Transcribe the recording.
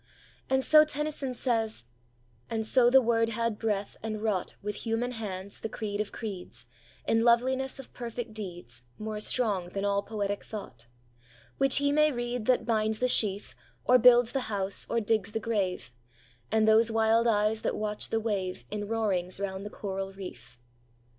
And so Tennyson says: And so the Word had breath, and wrought With human hands the creed of creeds In loveliness of perfect deeds, More strong than all poetic thought; Which he may read that binds the sheaf, Or builds the house, or digs the grave, And those wild eyes that watch the wave In roarings round the coral reef.